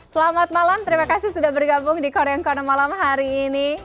selamat malam terima kasih sudah bergabung di korean corner malam hari ini